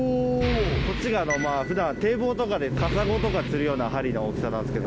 こっちが普段堤防とかでカサゴとか釣るような針の大きさなんですけど。